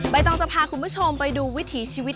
ต้องจะพาคุณผู้ชมไปดูวิถีชีวิต